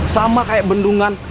sama kayak bendungan